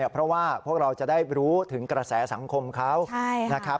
เพราะว่าพวกเราจะได้รู้ถึงกระแสสังคมเขานะครับ